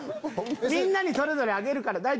みんなにそれぞれあげるから大丈夫大丈夫。